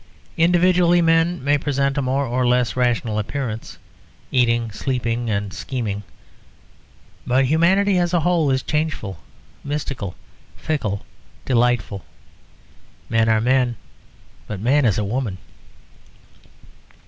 Individually, men may present a more or less rational appearance, eating, sleeping, and scheming. But humanity as a whole is changeful, mystical, fickle, delightful. Men are men, but Man is a woman.